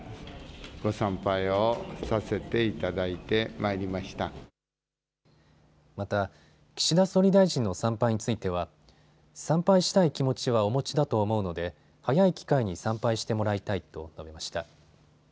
また岸田総理大臣の参拝については参拝したい気持ちはお持ちだと思うので早い機会に参拝してもらいたいと述べました。